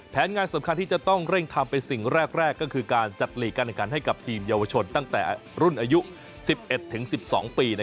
งานสำคัญที่จะต้องเร่งทำเป็นสิ่งแรกก็คือการจัดหลีกการแข่งขันให้กับทีมเยาวชนตั้งแต่รุ่นอายุ๑๑ถึง๑๒ปี